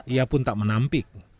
ia pun tak menampik